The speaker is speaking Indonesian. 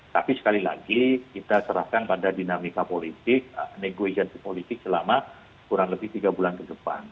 tapi sekali lagi kita serahkan pada dinamika politik negosiasi politik selama kurang lebih tiga bulan ke depan